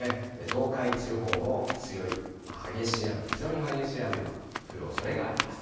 東海地方も強い、激しい雨、非常に激しい雨の降るおそれがあります。